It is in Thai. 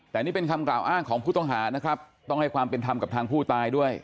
แต่นี่เป็นคำกล่าวอ้างของผู้ต้องหานะครับต้องให้ความเป็นธรรมกับทางผู้ตายด้วย